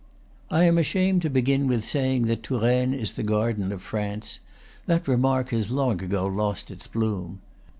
I am ashamed to begin with saying that Touraine is the garden of France; that remark has long ago lost its bloom.